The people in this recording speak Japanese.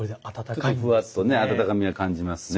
ちょっとふわっとね温かみは感じますね。